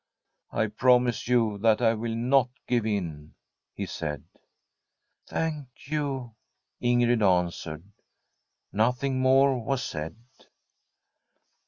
* Ipromise you that I will not give in/ he said. * Thank you/ Ing^d answered. Nothing more was said.